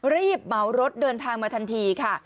เหมารถเดินทางมาทันทีค่ะ